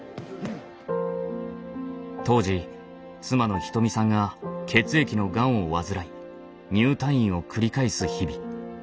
当時妻の瞳さんが血液のがんを患い入退院を繰り返す日々。